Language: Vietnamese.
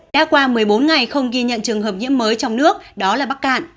đã qua một mươi bốn ngày không ghi nhận trường hợp nhiễm mới trong nước đó là bắc cạn